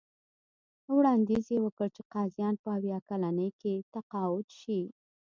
وړاندیز یې وکړ چې قاضیان په اویا کلنۍ کې تقاعد شي.